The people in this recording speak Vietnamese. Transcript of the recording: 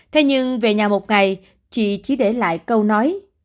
thế nhưng về nhà một ngày chị chỉ để lại câu nói